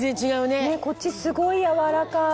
こっちすごい軟らかい。